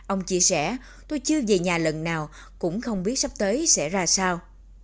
ông chia sẻ tôi chưa về nhà lần nào cũng không biết sắp tới sẽ ra sao